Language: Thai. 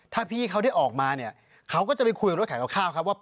ถ้าพี่เขาได้ออกมาเนี่ยเขาก็จะไปคุยกับรถขายกับข้าวครับว่า